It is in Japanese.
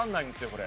これ。